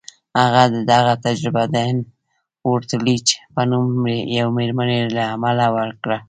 هغه دغه تجربه د ان روتليج په نوم يوې مېرمنې له امله وکړه.